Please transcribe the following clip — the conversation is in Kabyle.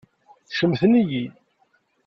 Ccemten-iyi.